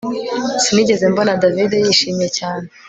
Sinigeze mbona David yishimye cyane